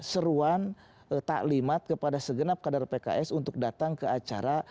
seruan taklimat kepada segenap kader pks untuk datang ke acara